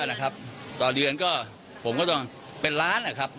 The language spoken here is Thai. โอ้มันเยอะนะครับต่อเดือนก็ผมก็ต้องเป็นล้านนะครับ